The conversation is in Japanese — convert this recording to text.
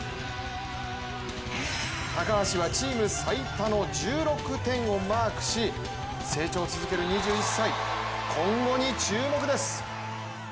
高橋はチーム最多の１６点をマークし、成長を続ける２１歳今後に注目です。